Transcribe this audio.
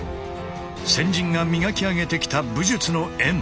先人が磨き上げてきた武術の円。